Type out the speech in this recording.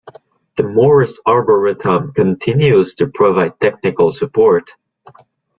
The Morris Arboretum continues to provide technical support.